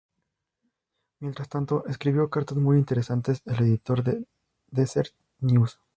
Mientras tanto, escribió cartas muy interesantes al editor del "Deseret News".